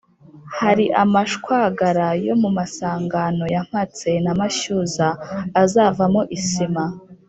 hari amashwagara yo mu masangano ya mpatse na mashyuza azavamo isima